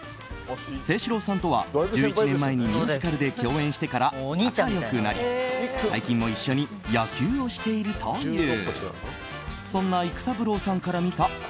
清史郎さんとは１１年前にミュージカルで共演してから仲良くなり、最近も一緒に野球をしているという。